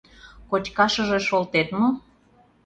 — Кочкашыже шолтет мо?